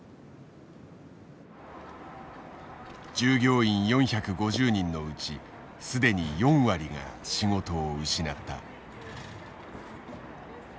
従業員４５０人のうち既に４割が仕事を失った。